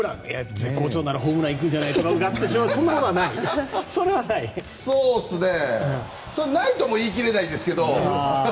絶好調ならホームラン行くんじゃないかなとかうがってしまうんですがそれはない？ないとも言い切れないですが。